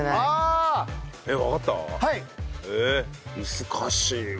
難しいわ。